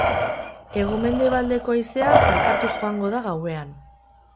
Hego-mendebaldeko haizea zakartuz joango da gauean.